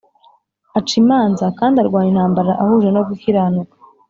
Aca imanza kandi akarwana intambara ahuje no gukiranuka